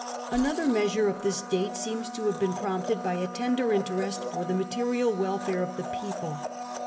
Another measure of this date seems to have been prompted by a tender interest for the material welfare of the people.